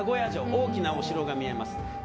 大きなお城が見えます。